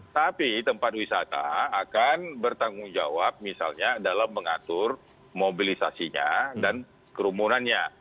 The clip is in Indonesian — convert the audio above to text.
tapi tempat wisata akan bertanggung jawab misalnya dalam mengatur mobilisasinya dan kerumunannya